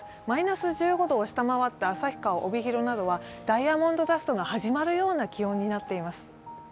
マイナス１５度を下回った旭川、帯広などはダイヤモンドダストが始まるような気温になっています。